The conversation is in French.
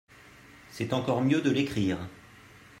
C’est encore mieux de l’écrire